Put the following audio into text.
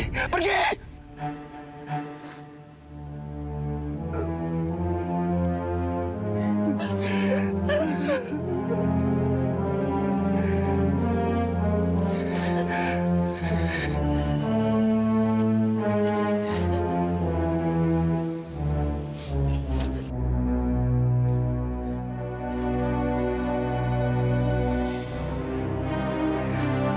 kamu punya kuasa kenyataan